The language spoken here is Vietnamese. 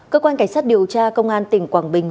cơ quan cảnh sát điều tra công an tỉnh quảng bình